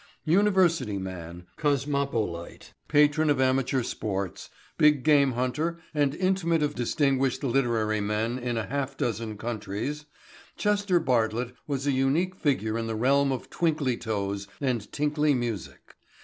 University man, cosmopolite, patron of amateur sports, big game hunter and intimate of distinguished literary men in a half dozen countries, Chester Bartlett was a unique figure in the realm of twinkly toes and tinkly music.